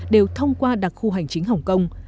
đều thông qua đặc khu hành chính hồng kông